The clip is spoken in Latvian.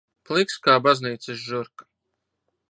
Pliks kā baznīcas žurka.